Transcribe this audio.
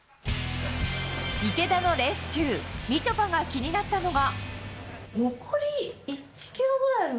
池田のレース中みちょぱが気になったのが。